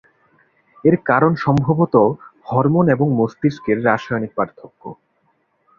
এর কারণ সম্ভবত হরমোন এবং মস্তিষ্কের রাসায়নিক পার্থক্য।